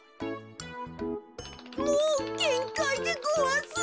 もうげんかいでごわす。